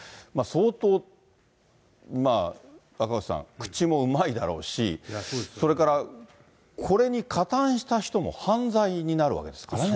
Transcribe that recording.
相当赤星さん、口もうまいだろうし、それから、これに加担した人も犯罪になるわけですからね。